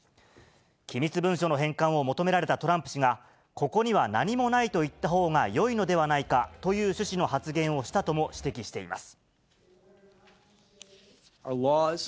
機密文書の返還を求められたトランプ氏が、ここには何もないと言ったほうがよいのではないかという趣旨の発言をしたとも指摘しています。